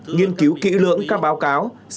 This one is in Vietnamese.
nghiên cứu kỹ lưỡng các báo cáo